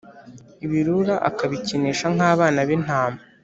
ibirura akabikinisha nk’abana b’intama.